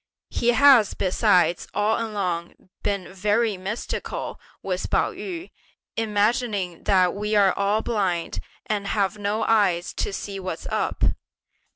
He has besides all along been very mystical with Pao yü, imagining that we are all blind, and have no eyes to see what's up!